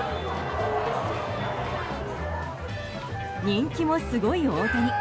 人気もすごい大谷。